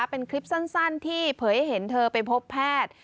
เป็นคลิปสั้นที่เผยให้เห็นเธอไปพบแพทย์